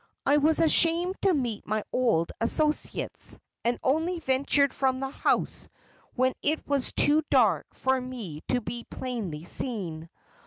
I was ashamed to meet my old associates, and only ventured from the house when it was too dark for me to be plainly seen.